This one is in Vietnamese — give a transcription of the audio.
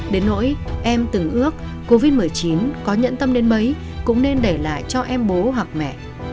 đến nỗi em từng ước covid một mươi chín có nhẫn tâm đến mấy cũng nên để lại cho em bố hoặc mẹ